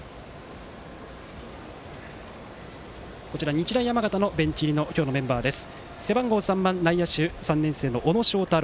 日大山形のベンチ入りのメンバーです。